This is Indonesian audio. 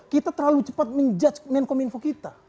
kita terlalu cepat menjudge main kominfo kita